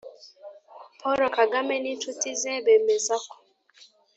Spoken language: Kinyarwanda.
paul kagame n'inshuti ze bemeza ko